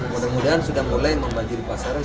mudah mudahan sudah mulai membanjiri pasaran